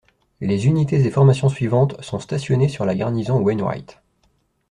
Les unités et formations suivantes sont stationnées sur la garnison Wainwright.